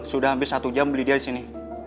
sudah hampir satu jam beli dia di sini